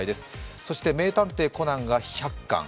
そして「名探偵コナン」が１００巻。